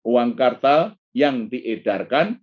uang kartal yang diedarkan